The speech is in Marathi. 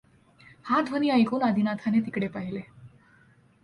हा ध्वनि ऐकून आदिनाथाने तिकडे पाहिले.